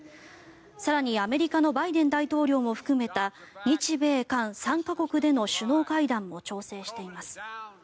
更に、アメリカのバイデン大統領も含めた日米韓３か国での首脳会談も調整しています。